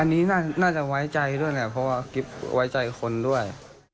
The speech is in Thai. อันนี้น่าจะไว้ใจด้วยแหละเพราะว่ากิ๊บไว้ใจคนด้วย